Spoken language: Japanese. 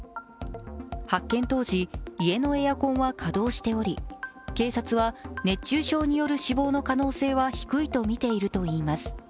発見当時、家のエアコンは稼働しており警察は、熱中症による死亡の可能性は低いとみています。